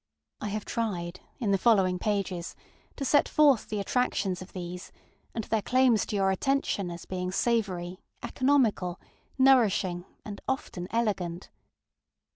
I have tried, in the following pages, to set forth the attractions of these, and their claims to your attention as being savory, economical, nourishing, and often elegant.